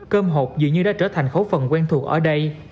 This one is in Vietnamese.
cơm hột dự như đã trở thành khối phần quen thuộc ở đây